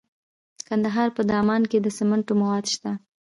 د کندهار په دامان کې د سمنټو مواد شته.